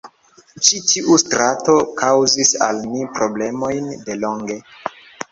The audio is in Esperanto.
Ĉi tiu strato kaŭzis al ni problemojn delonge.